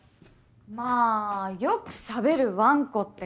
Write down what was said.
まあよくしゃべるワンコって感じかな。